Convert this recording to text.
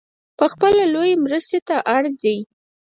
پخپله لویې مرستې ته اړ دی .